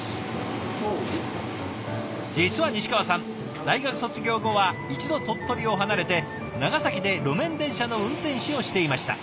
実は西川さん大学卒業後は一度鳥取を離れて長崎で路面電車の運転士をしていました。